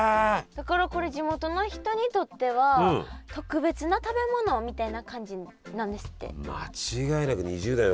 だからこれ地元の人にとっては特別な食べ物みたいな感じなんですって。